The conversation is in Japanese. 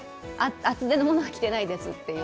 厚手のものは着ていないですという。